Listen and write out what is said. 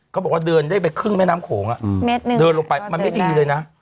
บอกว่าเดินได้ไปครึ่งแม่น้ำโขงเดินลงไปมันไม่ดีเลยนะ